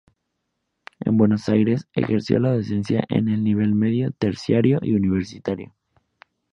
En Buenos Aires ejerció la docencia en el nivel medio, terciario y universitario.